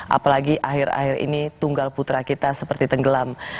apalagi akhir akhir ini tunggal putra kita seperti tenggelam